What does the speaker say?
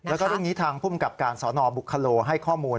แล้วก็เรื่องนี้ทางภูมิกับการสนบุคโลให้ข้อมูล